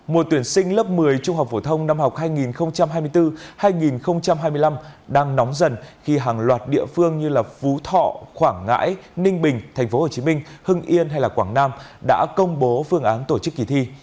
mùa tuyển sinh lớp một mươi trung học phổ thông năm học hai nghìn hai mươi bốn hai nghìn hai mươi năm đang nóng dần khi hàng loạt địa phương như phú thọ quảng ngãi ninh bình tp hcm hưng yên hay quảng nam đã công bố phương án tổ chức kỳ thi